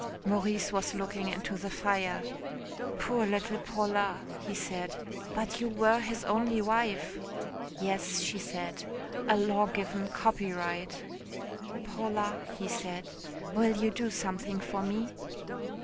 '" Maurice was looking into the fire. "Poor little Paula," he said. "But you were his only wife." "Yes," she said, "a law given copyright." "Paula," he said, "will you do something for me?"